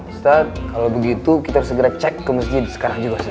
ustadz kalau begitu kita segera cek ke masjid sekarang juga